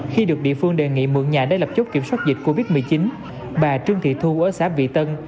khi được địa phương đề nghị mượn nhà để lập chốt kiểm soát dịch covid một mươi chín bà trương thị thu ở xã vị tân